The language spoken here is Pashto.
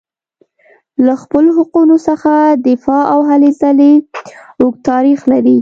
له خپلو حقونو څخه دفاع او هلې ځلې اوږد تاریخ لري.